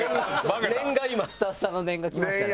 スタッフさんの念がきましたね。